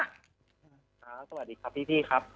สวัสดีครับพี่ครับ